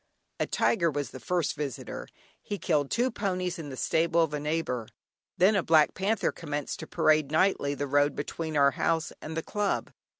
A tiger was the first visitor; he killed two ponies in the stable of a neighbour. Then a black panther commenced to parade, nightly, the road between our house and the club.